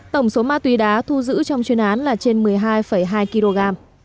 tổng số ma túy đá thu giữ trong chuyên án là trên một mươi hai hai kg